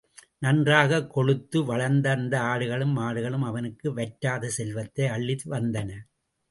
நன்றாகக் கொழுத்து வளர்ந்த அந்த ஆடுகளும் மாடுகளும் அவனுக்கு வற்றாத செல்வத்தை அளித்து வந்தன.